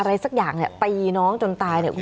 อะไรสักอย่างเนี่ยตีน้องจนตายเนี่ย